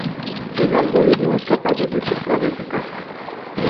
El algoritmo es capaz de detectar este caso.